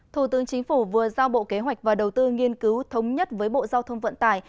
thủ tướng chính phủ vừa giao bộ kế hoạch và đầu tư nghiên cứu thống nhất với bộ giao thông vận tải